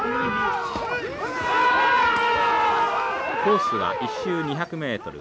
コースは１周２００メートル。